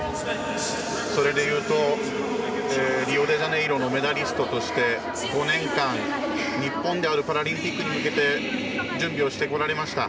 それでいうとリオデジャネイロのメダリストとして５年間、日本であるパラリンピックに向けて準備をしてこられました。